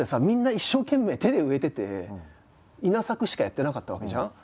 みんな一生懸命手で植えてて稲作しかやってなかったわけじゃん。